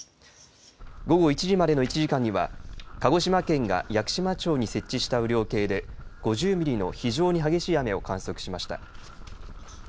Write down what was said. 午後１時までの１時間には鹿児島県が屋久島町に設置した雨量計で５０ミリの非常に激しい雨を観測しました。